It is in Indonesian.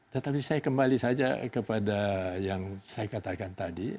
tetapi saya kembali saja kepada yang saya katakan tadi